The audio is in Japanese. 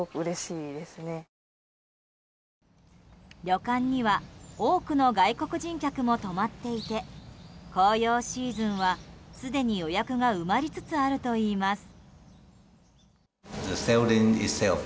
旅館には多くの外国人客も泊まっていて紅葉シーズンはすでに予約が埋まりつつあるといいます。